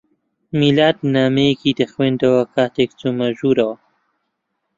میلاد نامەیەکی دەخوێندەوە کاتێک چوومە ژوورەوە.